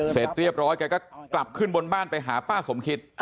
เสร็จเรียบร้อยแกก็กลับขึ้นบนบ้านไปหาป้าสมคิต